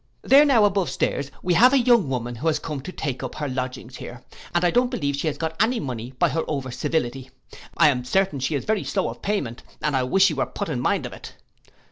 There now above stairs, we have a young woman who has come to take up her lodgings here, and I don't believe she has got any money by her over civility. I am certain she is very slow of payment, and I wish she were put in mind of it.